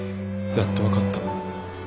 やっと分かった。